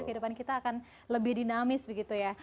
kehidupan kita akan lebih dinamis begitu ya